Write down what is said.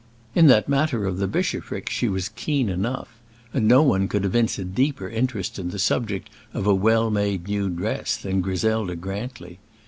In that matter of the bishopric she was keen enough; and no one could evince a deeper interest in the subject of a well made new dress than Griselda Grantly.